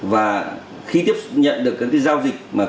và khi tiếp nhận được các giao dịch